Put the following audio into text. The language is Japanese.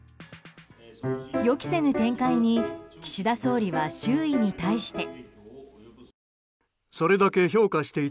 予期せぬ展開に岸田総理は周囲に対して。